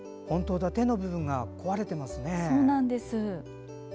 本当だ手の部分が壊れてますね。